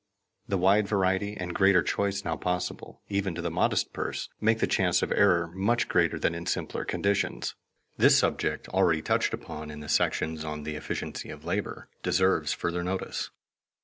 The wide variety and greater choice now possible, even to the modest purse, make the chance of error much greater than in simpler conditions. This subject, already touched upon in the sections on the efficiency of labor, deserves further notice.